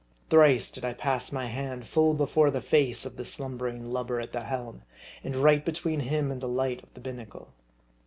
Thrice did I pass my hand full before the face of the slumbering lubber at the helm, and right be tween him and the light of the binnacle.